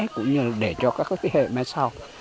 cũng như để cho các thế hệ mai sau